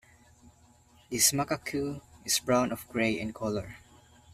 This macaque is brown or gray in color.